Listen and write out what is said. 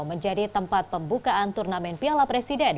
menjadi tempat pembukaan turnamen piala presiden